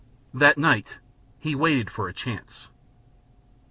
That night he waited for a chance.